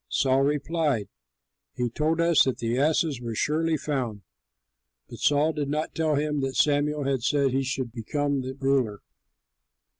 Saul replied, "He told us that the asses were surely found." But Saul did not tell him that Samuel had said he should become the ruler.